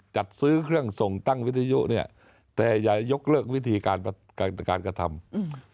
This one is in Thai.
จัดซื้อเครื่องส่งตั้งวิทยุเนี่ยแต่อย่ายกเลิกวิธีการการกระทำอืม